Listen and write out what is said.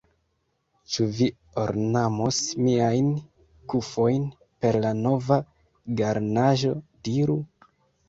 Ĉu vi ornamos miajn kufojn per la nova garnaĵo, diru?